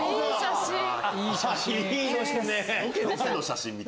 いい写真！